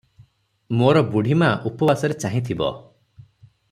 ମୋର ବୁଢ଼ୀମା ଉପବାସରେ ଚାହିଁଥିବ ।